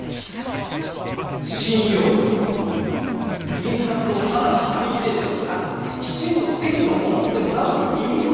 銀札をただの紙切れではなくきちんと銭と思ってもらうに入り用なのは信用だ！